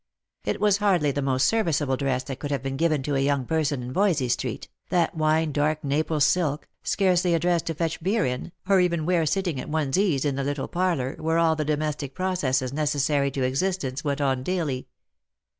It was hardly the most serviceable dress that could have been given to a young person in Voysey street, that wine dark Naples silk, scarcely a dress to fetch beer in, or even wear sitting at one's ease in the little parlour, where all the domestic processes neces sary to existence went on daily.